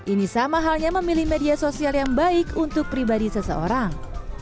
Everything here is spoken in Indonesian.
ini sama halnya memilih media sosial yang baik untuk pribadi seseorang